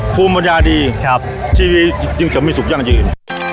ภูมิปัญญาดีครับชีวิตจริงจริงจะมีสุขอย่างอื่น